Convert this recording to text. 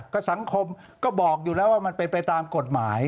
ก็สังคมก็บอกอยู่แล้วว่ามันเป็นไปตามกฎหมาย